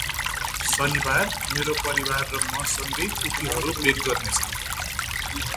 शनिबार, मेरो परिवार र म सँगै कुकीहरू बेक गर्नेछौं।